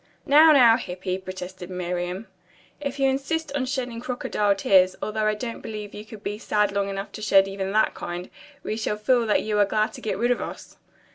"Now, now, Hippy," protested Miriam. "If you insist on shedding crocodile tears, although I don't believe you could be sad long enough to shed even that kind, we shall feel that you are glad to get rid of us."